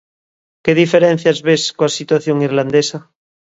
Que diferencias ves coa situación irlandesa?